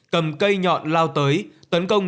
cầm cây nhọn lao tới tấn công người